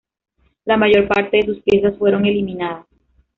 La mayor parte de sus piezas fueron eliminadas.